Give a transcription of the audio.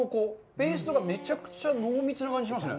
ペーストがめちゃくちゃ濃密な感じがしますね。